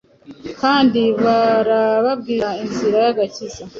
kandi barababwira inzira y’agakiza.”